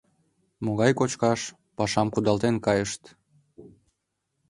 Могай кочкаш, пашам кудалтен кайышт.